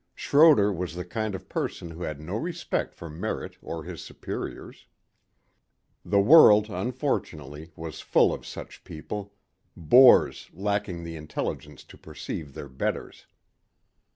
Schroder was the kind of person who had no respect for merit or his superiors. The world, unfortunately, was full of such people boors lacking the intelligence to perceive their betters.